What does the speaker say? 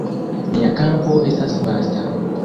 Nia kampo estas vasta.